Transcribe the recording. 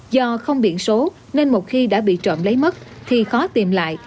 do không biện số nên một khi đã bị trọn lấy mất thì khó tìm lại